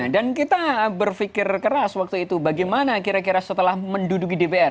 dan kita berpikir keras waktu itu bagaimana kira kira setelah menduduki dpr